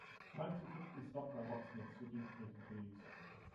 Blanks are typically stocked by locksmiths for duplicating keys.